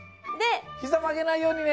ひざまげないようにね。